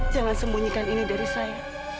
jangan sembunyikan ini dari saya